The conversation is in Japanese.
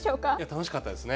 楽しかったですね。